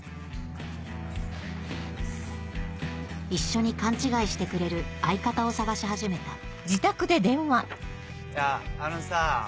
一緒に勘違いしてくれる相方を探し始めたあのさ